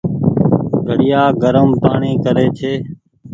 گھڙيآ گرم پآڻيٚ ڪري ڇي۔